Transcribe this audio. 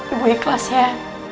ibu ikhlas ya